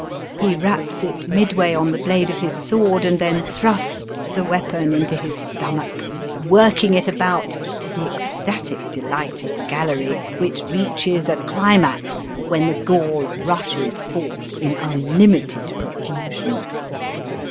He wraps it midway on the blade of his sword and then thrusts the weapon into his stomach, working it about to the ecstatic delight of the gallery, which reaches a climax when the gore rushes forth in unlimited profusion.